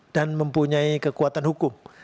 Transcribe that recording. mempunyai kekuatan hukum